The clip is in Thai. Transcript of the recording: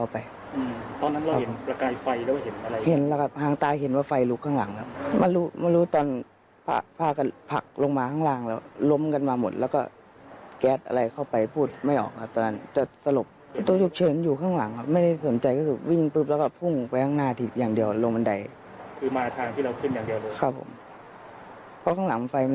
เพราะข้างหลังไฟมันลุกแล้วไม่กล้าหันไป